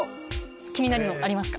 気になるのありますか？